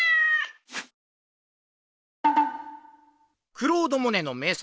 クロード・モネの名作